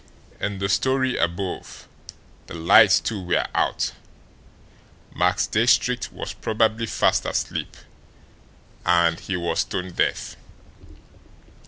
In the story above, the lights, too, were out; Max Diestricht was probably fast asleep and he was stone deaf!